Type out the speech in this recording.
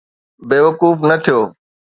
بيوقوف نه ٿيو